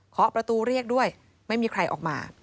ขอประตูเรียกด้วยไม่มีใครออกมา